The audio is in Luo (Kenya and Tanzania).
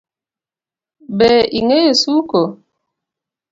Be ingeyo suko?